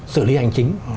xử lý hành chính